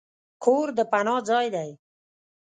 کور د پناه ځای دی.